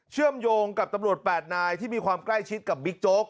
เชื่อมโยงกับตำรวจ๘นายที่มีความใกล้ชิดกับบิ๊กโจ๊ก